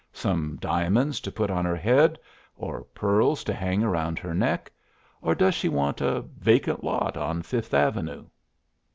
Some diamonds to put on her head, or pearls to hang around her neck, or does she want a vacant lot on Fifth Avenue?"